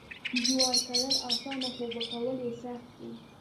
جوار کرل اسانه خو اوبه کول یې سخت دي.